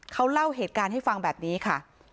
เขาเล่าเหตุการณ์ให้ฟังแบบนี้ค่ะ